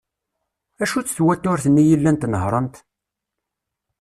Acu-tt twaturt-nni i llant nehhrent?